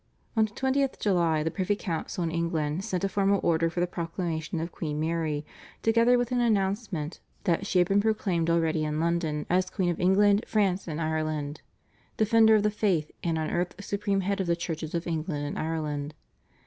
On the 20th July the privy council in England sent a formal order for the proclamation of Queen Mary, together with an announcement that she had been proclaimed already in London as Queen of England, France, and Ireland, Defender of the Faith, and on earth Supreme Head of the Churches of England and Ireland.